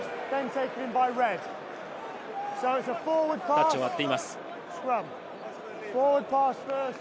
タッチを割っています。